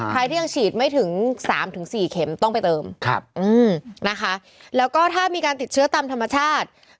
ใครที่ยังฉีดไม่ถึง๓๔เข็มต้องไปเติมนะคะแล้วก็ถ้ามีการติดเชื้อตามธรรมชาติ